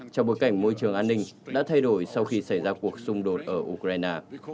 trong bối cảnh môi trường an ninh đã thay đổi sau khi xảy ra cuộc xung đột ở ukraine